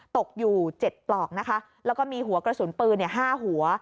ตกอยู่๗ปลอกนะคะแล้วก็มีหัวกระสุนปืน๕หัว